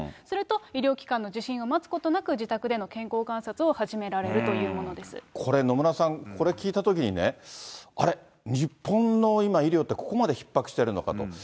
すると、医療機関の受診を待つことなく、自宅での健康観察を始められるとこれ、野村さん、これ聞いたときにね、あれ、日本の今、医療ってここまでひっ迫してるのかと。